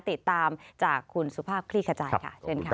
ติดตามจากคุณสุภาพคลี่ขจายค่ะเชิญค่ะ